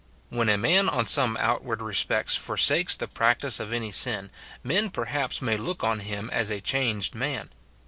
When a man on some outward respects for sakes the practice of any sin, men perhaps may look on him as a changed man.